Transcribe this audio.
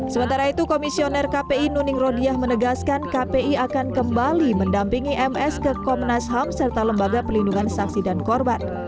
sementara itu komisioner kpi nuning rodiah menegaskan kpi akan kembali mendampingi ms ke komnas ham serta lembaga pelindungan saksi dan korban